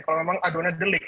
kalau memang aduannya delik